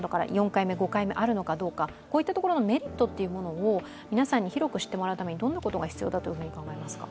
４回目５回目あるのかどうかこういったメリットを皆さんに広く知ってもらうためにどんなことが必要ですか？